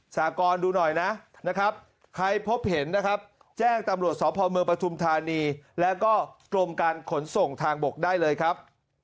สากรดูหน่อยนะนะครับใครพบเห็นนะครับแจ้งตำรวจสพเมืองปฐุมธานีแล้วก็กรมการขนส่งทางบกได้เลยครับ